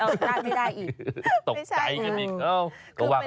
อ้าวได้ไม่ได้อีก